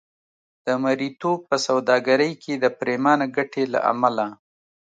د مریتوب په سوداګرۍ کې د پرېمانه ګټې له امله.